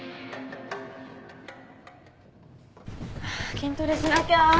筋トレしなきゃ。